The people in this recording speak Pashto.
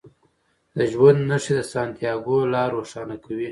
د ژوند نښې د سانتیاګو لار روښانه کوي.